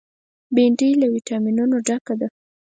بېنډۍ له ویټامینونو ډکه ده